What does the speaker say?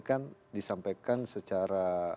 kan disampaikan secara